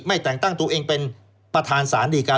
แต่งตั้งตัวเองเป็นประธานสารดีการ